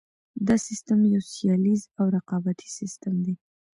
دا سیستم یو سیالیز او رقابتي سیستم دی.